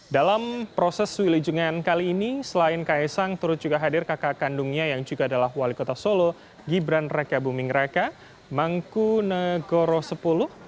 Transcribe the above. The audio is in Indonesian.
dalam proses wilujengan kali ini selain kaisan turut juga hadir kakak kandungnya yang juga adalah wali kota solo gibran rekabumingreka mangkunegoro x